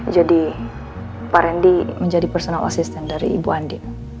jadi pak rendy menjadi personal assistant dari ibu andi